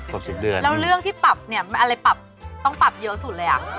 สิบเดือนแล้วเรื่องที่ปรับเนี่ยอะไรปรับต้องปรับเยอะสุดเลยอ่ะ